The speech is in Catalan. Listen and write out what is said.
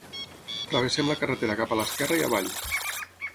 travessem la carretera cap a l'esquerra i avall